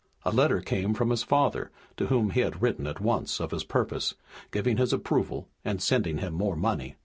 A letter came from his father, to whom he had written at once of his purpose, giving his approval, and sending him more money.